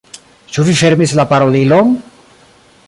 Ĉu vi fermis la parolilon?